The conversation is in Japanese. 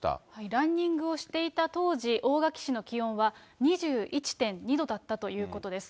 ランニングをしていた当時、大垣市の気温は２１．２度だったということです。